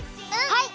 はい！